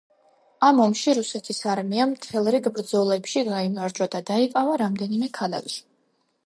ამ ომში რუსეთის არმიამ მთელ რიგ ბრძოლებში გაიმარჯვა და დაიკავა რამდენიმე ქალაქი.